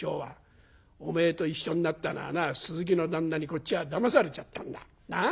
おめえと一緒になったのはな鈴木の旦那にこっちはだまされちゃったんだなあ。